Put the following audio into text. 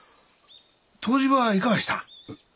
湯治場はいかがでした？